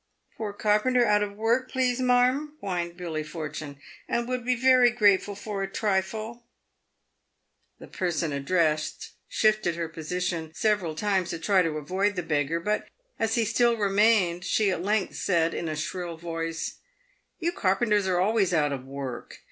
" Poor carpenter out o' work, please marm," whined Billy Fortune, "and would be very grateful for a trifle." The person addressed shifted her position several times to try and avoid the beggar ; but, as he still remained, she at length said, in a shrill voice, " You carpenters are always out of work.